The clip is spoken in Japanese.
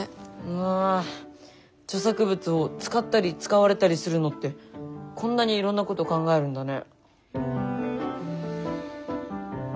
うわ著作物を使ったり使われたりするのってこんなにいろんなこと考えるんだね。